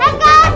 jangan jos pak